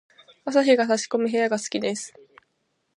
朝日が差し込む部屋が好きです。